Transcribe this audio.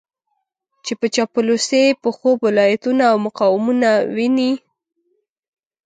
چې په چاپلوسۍ په خوب کې ولايتونه او مقامونه ويني.